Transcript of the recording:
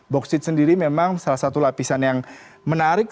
boksit sendiri memang salah satu lapisan yang menarik